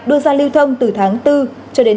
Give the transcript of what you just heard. đưa ra lưu thông từ tháng bốn cho đến